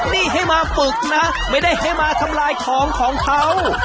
นี่ให้มาฝึกนะไม่ได้ให้มาทำลายของของเขา